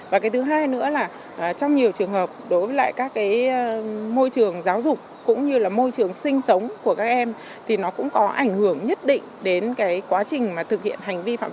và cái thứ hai nữa là trong nhiều trường hợp đối với lại các cái môi trường giáo dục cũng như là môi trường sinh sống của các em thì nó cũng có ảnh hưởng nhất định đến cái quá trình mà thực hiện hành vi phạm tội